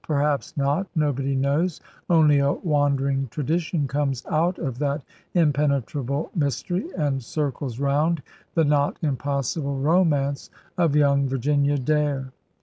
Perhaps not. Nobody knows. Only a wander ing tradition comes out of that impenetrable mys tery and circles round the not impossible romance of young Virginia Dare.